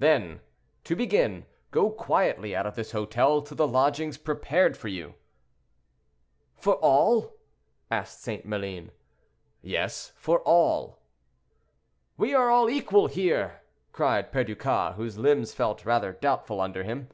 "Then, to begin; go quietly out of this hotel to the lodgings prepared for you." "For all?" asked St. Maline. "Yes, for all." "We are all equal here," cried Perducas, whose limbs felt rather doubtful under him.